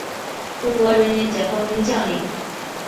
中国人民解放军将领。